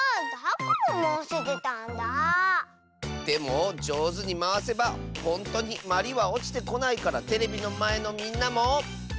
でもじょうずにまわせばほんとにまりはおちてこないからテレビのまえのみんなも。